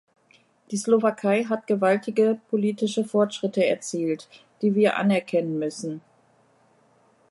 Die Slowakei hat gewaltige politische Fortschritte erzielt, die wir anerkennen müssen.